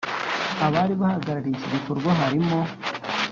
Abali bahagarariye iki gikorwa harimo